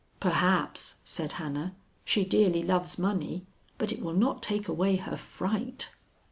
"Perhaps," said Hannah. "She dearly loves money, but it will not take away her fright."